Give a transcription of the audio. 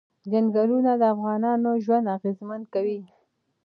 چنګلونه د افغانانو ژوند اغېزمن کوي.